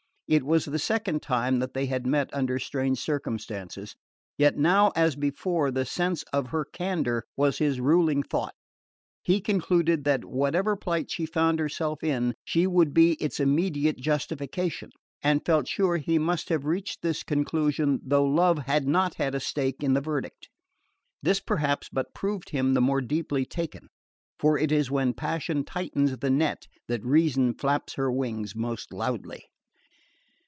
It was the second time that they had met under strange circumstances; yet now as before the sense of her candour was his ruling thought. He concluded that, whatever plight she found herself in, she would be its immediate justification; and felt sure he must have reached this conclusion though love had not had a stake in the verdict. This perhaps but proved him the more deeply taken; for it is when passion tightens the net that reason flaps her wings most loudly.